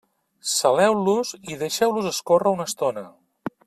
Saleu-los i deixeu-los escórrer una estona.